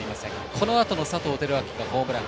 このあとの佐藤輝明がホームラン。